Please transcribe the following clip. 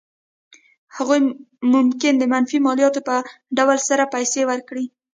هغوی ممکن د منفي مالیاتو په ډول سره پیسې ورکړي.